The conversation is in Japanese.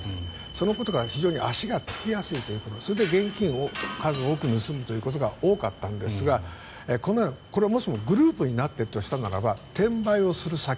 そのことが非常に足がつきやすいということそれで現金を数多く盗むということが多かったんですがこれがもしもグループになっているとするならば転売をする先。